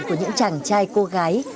của những chàng trai cô gái